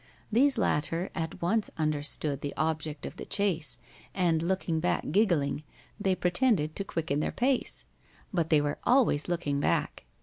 These latter at once understood the object of the chase, and looking back giggling, they pretended to quicken their pace. But they were always looking back.